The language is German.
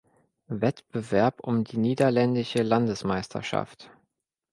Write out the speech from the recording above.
Wettbewerb um die niederländische Landesmeisterschaft.